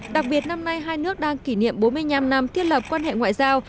đặc biệt năm nay hai nước đang kỷ niệm bốn mươi năm năm thiết lập quan hệ ngoại giao